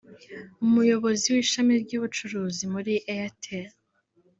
Umuyobozi w’ishami ry’ubucuruzi muri Airtel